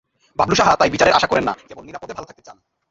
বাবলু সাহা তাই বিচারের আশা করেন না, কেবল নিরাপদে ভালো থাকতে চান।